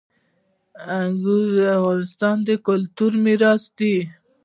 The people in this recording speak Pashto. انګور د افغانستان د کلتوري میراث برخه ده.